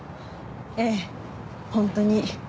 ええ本当に。